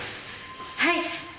はい。